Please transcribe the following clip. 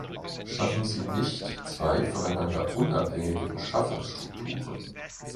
Schaffen Sie nicht zwei voneinander unabhängige Beschaffungsstrukturen!